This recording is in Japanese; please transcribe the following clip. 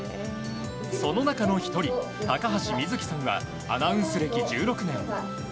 その中の１人、高橋みずきさんはアナウンス歴１６年。